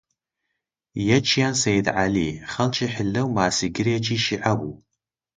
یەکیان سەیید عەلی، خەڵکی حیللە و ماسیگرێکی شیعە بوو